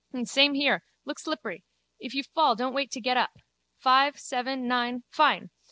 Same here. Look slippery. If you fall don't wait to get up. Five, seven, nine. Fine!